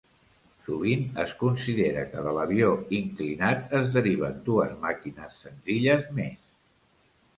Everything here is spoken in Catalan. Sovint es considera que de l'avió inclinat es deriven dues màquines senzilles més.